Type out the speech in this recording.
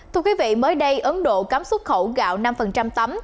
thưa quý vị mới đây ấn độ cấm xuất khẩu gạo năm tấm